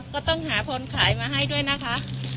ก็ต้องหาคนขายมาให้ด้วยนะคะ